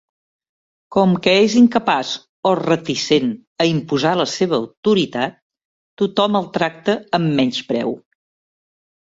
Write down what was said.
Com que és incapaç o reticent a imposar la seva autoritat, tothom el tracta amb menyspreu.